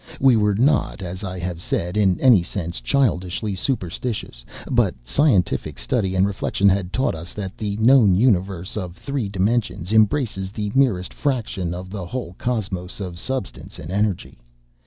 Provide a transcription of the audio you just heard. We were not, as I have said, in any sense childishly superstitious, but scientific study and reflection had taught us that the known universe of three dimensions embraces the merest fraction of the whole cosmos of substance and energy.